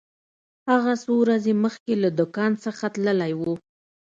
هغه څو ورځې مخکې له دکان څخه تللی و.